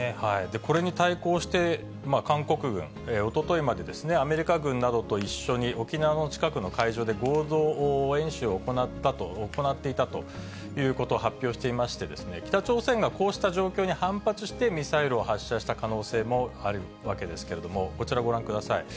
これに対抗して、韓国軍、おとといまでアメリカ軍などと一緒に、沖縄の近くの海上で、合同演習を行っていたということを発表していまして、北朝鮮がこうした状況に反発して、ミサイルを発射した可能性もあるわけですけれども、こちらご覧ください。